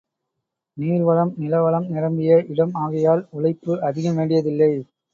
நீர்வளம், நிலவளம் நிரம்பிய இடம் ஆகையால் உழைப்பு அதிகம் வேண்டியதில்லை.